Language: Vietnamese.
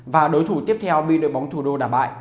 và đối thủ tiếp theo bị đội bóng thủ đô đảm bại